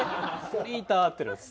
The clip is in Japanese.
フリーターは合ってるんです。